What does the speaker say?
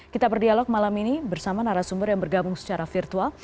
kita berdialog malam ini bersama narasumber yang bergabung secara virtual